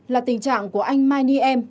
là tình trạng của anh mai ni em